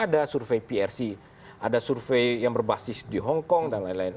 karena ada survei prc ada survei yang berbasis di hongkong dan lain lain